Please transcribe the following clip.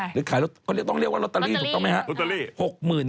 หรือขายต้องเรียกว่าลอตเตอรี่ถูกต้องไหมครับ